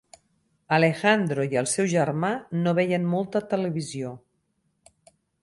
Alejandro i el seu germà no veien molta televisió.